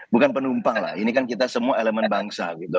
bukan penumpang lah ini kan kita semua elemen bangsa gitu